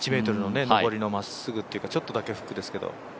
上りのまっすぐっていうかちょっとだけフックですけど。